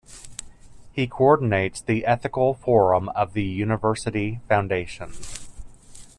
He coordinates the Ethical Forum of the University Foundation.